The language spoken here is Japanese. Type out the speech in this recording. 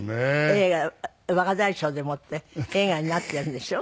映画『若大将』でもって映画になっているでしょう。